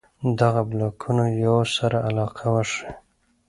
دغو بلاکونو یوه سره علاقه وښيي.